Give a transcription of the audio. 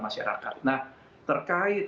masyarakat nah terkait